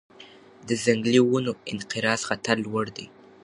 د ځنګلي ونو انقراض خطر لوړ دی.